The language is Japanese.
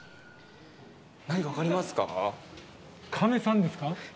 何か分かりますか？